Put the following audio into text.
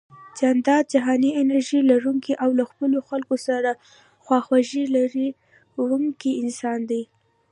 جانداد جهاني انرژي لرونکی او له خپلو خلکو سره خواخوږي لرونکی انسان دی